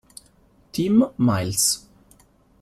Tim Miles